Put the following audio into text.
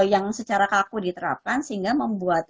yang secara kaku diterapkan sehingga membuat